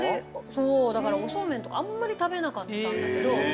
そうだからおそうめんとかあんまり食べなかったんだけど。